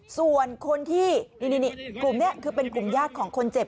ส่วนคนที่กลุ่มนี้คือเป็นกลุ่มญาติของคนเจ็บ